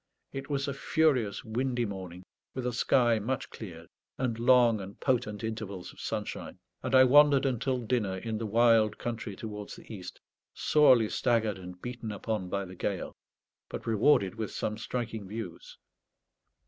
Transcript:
It was a furious windy morning, with a sky much cleared, and long and potent intervals of sunshine; and I wandered until dinner in the wild country towards the east, sorely staggered and beaten upon by the gale, but rewarded with some striking views.